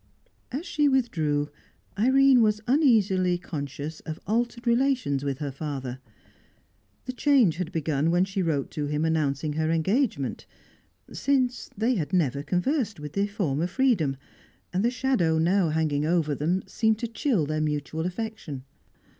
As she withdrew, Irene was uneasily conscious of altered relations with her father. The change had begun when she wrote to him announcing her engagement; since, they had never conversed with the former freedom, and the shadow now hanging over them seemed to chill their mutual affection.